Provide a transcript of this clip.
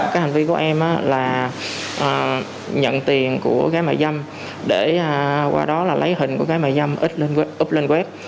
các em là nhận tiền của gái ban dâm để qua đó là lấy hình của gái ban dâm up lên web